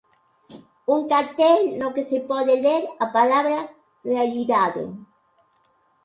Un cartel no que se pode ler a palabra "realidade".